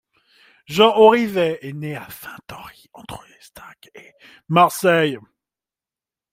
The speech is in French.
Jean Orizet est né à Saint-Henry, entre L'Estaque et Marseille.